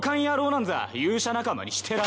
なんざ勇者仲間にしてられ。